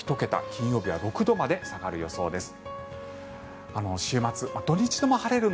金曜日は６度まで下がる予想です。